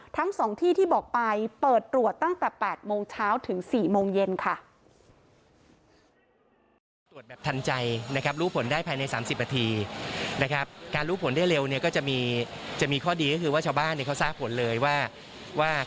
ทั้ง๒ที่ที่บอกไปเปิดตรวจตั้งแต่๘โมงเช้าถึง๔โมงเย็นค่ะ